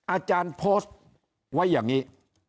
อาจารย์โพสต์ไว้อย่างนี้